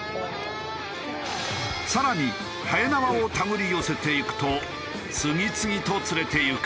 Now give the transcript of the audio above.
更に延縄を手繰り寄せていくと次々と釣れていく。